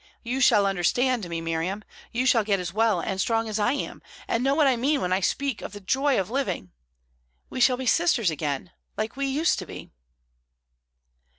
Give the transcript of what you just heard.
You shall understand me, Miriam. You shall get as well and strong as I am, and know what I mean when I speak of the joy of living. We shall be sisters again, like we used to be."